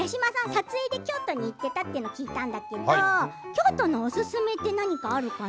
撮影で京都に行っていたと聞いたんだけど京都のおすすめって何かある？